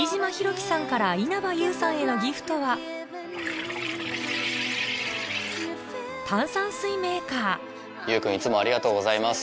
騎さんから稲葉友さんへのギフトは炭酸水メーカー友君いつもありがとうございます。